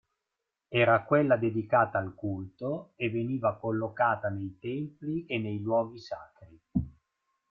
Era quella dedicata al culto e veniva collocata nei templi e nei luoghi sacri.